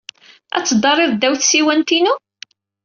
Ad teddariḍ ddaw tsiwant-inu?